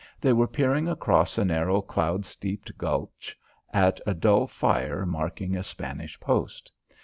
They were peering across a narrow cloud steeped gulch at a dull fire marking a Spanish post.